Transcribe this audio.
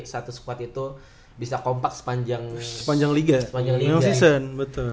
satu squad itu bisa kompak sepanjang sepanjang liga sepanjang liga semuanya season betul